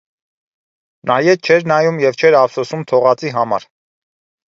Նա ետ չէր նայում և չէր ափսոսում թողածի համար։